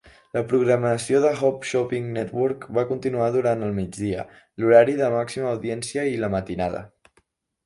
La programació de Home Shopping Network va continuar durant el migdia, l'horari de màxima audiència i la matinada.